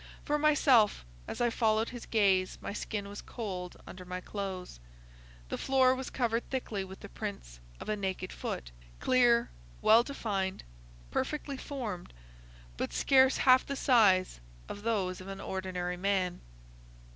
For myself, as I followed his gaze my skin was cold under my clothes. The floor was covered thickly with the prints of a naked foot,—clear, well defined, perfectly formed, but scarce half the size of those of an ordinary man.